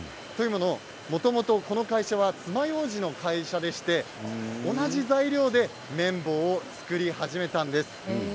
もともと、この会社はつまようじの会社でして同じ材料で綿棒を作り始めたんです。